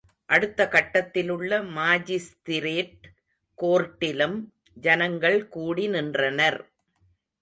அடுத்த கட்டடத்திலுள்ள மாஜிஸ்திரேட் கோர்ட்டிலும் ஜனங்கள் கூடி நின்றனர்.